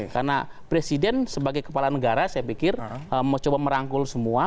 karena presiden sebagai kepala negara saya pikir mencoba merangkul semua